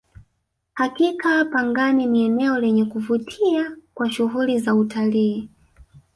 hakika pangani ni eneo lenye kuvutia kwa shughuli za utalii